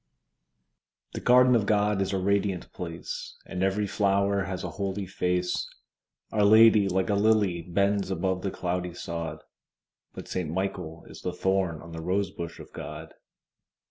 The garden of God is a radiant place, And every flower has a holy face: Our Lady like a lily bends above the cloudy sod, But Saint Michael is the thorn on the rosebush of God.